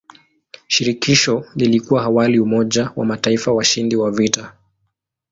Shirikisho lilikuwa awali umoja wa mataifa washindi wa vita.